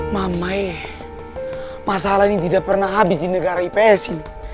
mama ini masalah ini tidak pernah habis di negara ips ini